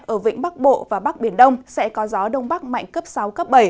ở vĩnh bắc bộ và bắc biển đông sẽ có gió đông bắc mạnh cấp sáu cấp bảy